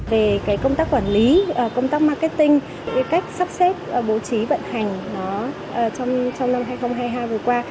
về cái công tác quản lý công tác marketing về cách sắp xếp bố trí vận hành trong năm hai nghìn hai mươi hai vừa qua